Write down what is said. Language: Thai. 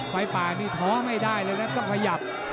ไฟปากที่ท้อไม่ได้เลยแล้วก็ขยับ